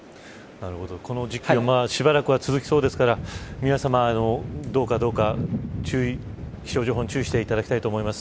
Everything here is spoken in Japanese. この状況がしばらく続きそうですから皆さま、どうか、気象情報に注意していただきたいと思います。